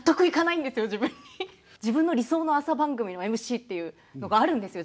自分の理想の朝番組のＭＣっていうのがあるんですよ